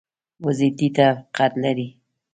وزې ټیټه قد لري